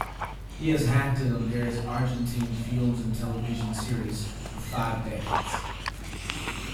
He has acted on various Argentine films and television series for five decades.